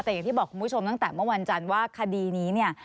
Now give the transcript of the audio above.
แต่อย่างที่บอกคุณผู้ชมตั้งแต่เมื่อวันจันทร์ว่าคดีนี้เนี่ย